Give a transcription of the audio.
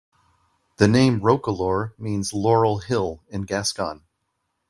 The name Roquelaure means "laurel hill" in Gascon.